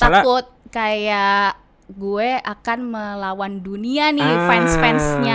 takut kayak gue akan melawan dunia nih fans fansnya